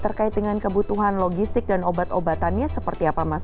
terkait dengan kebutuhan logistik dan obat obatannya seperti apa mas